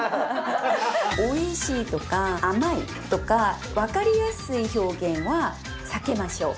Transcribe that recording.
「おいしい」とか「甘い」とか分かりやすい表現は避けましょう。